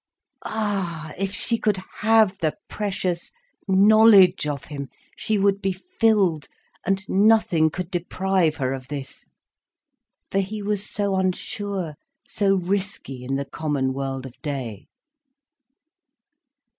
Ah, if she could have the precious knowledge of him, she would be filled, and nothing could deprive her of this. For he was so unsure, so risky in the common world of day.